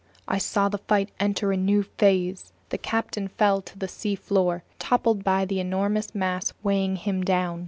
I saw the fight enter a new phase. The captain fell to the seafloor, toppled by the enormous mass weighing him down.